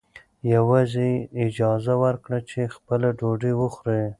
یوازې یې اجازه ورکړه چې خپله ډوډۍ وخوري.